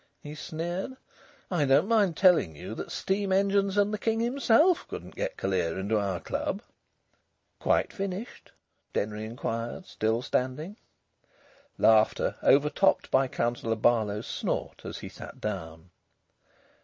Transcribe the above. he sneered. "I don't mind telling you that steam engines and the King himself couldn't get Callear into our club." "Quite finished?" Denry inquired, still standing. Laughter, overtopped by Councillor Barlow's snort as he sat down.